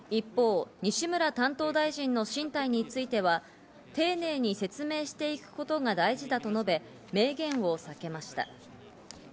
一方、西村担当大臣の進退については、丁寧に説明していくことが大事だと述べ、明言を避けました。